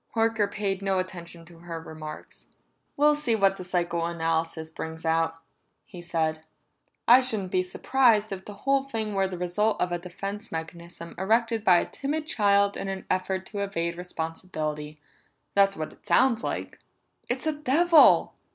Horker paid no attention to her remarks. "We'll see what the psychoanalysis brings out," he said. "I shouldn't be surprised if the whole thing were the result of a defense mechanism erected by a timid child in an effort to evade responsibility. That's what it sounds like." "It's a devil!"